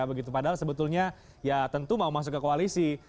padahal sebetulnya ya tentu mau masuk ke koalisi